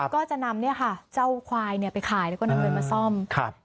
ก็จะนำเจ้าควายไปขายแล้วก็นำเงินมาซ่อม